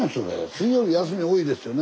水曜日休み多いですよね